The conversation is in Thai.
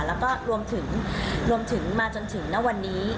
แล้วก็รวมถึงมาจนถึงวันนี้